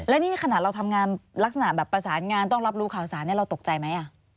แล้วนี่ขนาดเราทำงานลักษณะแบบประสานงานต้องรับรู้ข่าวสารเราตกใจไหม